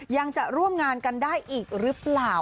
ยังจะร่วมงานกันได้อีกหรือเปล่า